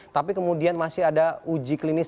tapi kemudian masih ada uji klinis